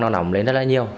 nó nóng lên rất là nhiều